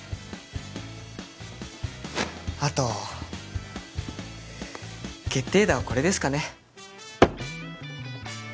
あと決定打はこれですかね